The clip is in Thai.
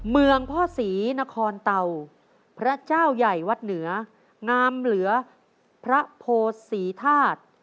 เมืองพ่อศรีนครเตาพระเจ้าใหญ่วัดเหนืองามเหลือพระโพศรีธาตุ